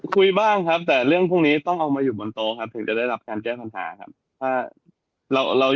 คุยบ้างครับแต่เรื่องพวกนี้ต้องเอามาอยู่บนโต๊ะครับถึงจะได้รับการแก้ปัญหาครับ